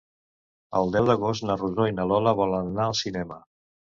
El deu d'agost na Rosó i na Lola volen anar al cinema.